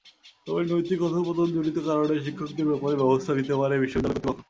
তবে নৈতিক অধঃপতনজনিত কারণে শিক্ষকদের ব্যাপারে ব্যবস্থা নিতে পারে বিশ্ববিদ্যালয় কর্তৃপক্ষ।